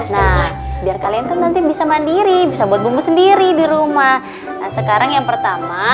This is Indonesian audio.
nah biar kalian tuh nanti bisa mandiri bisa buat bumbu sendiri di rumah sekarang yang pertama